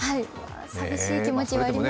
寂しい気持ちはありますよね。